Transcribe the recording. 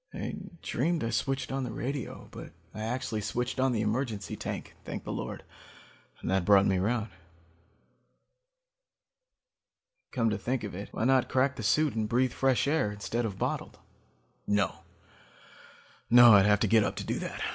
I dreamed I switched on the radio, but I actually switched on the emergency tank, thank the Lord, and that brought me round. "Come to think of it, why not crack the suit and breath fresh air instead of bottled? "No. I'd have to get up to do that.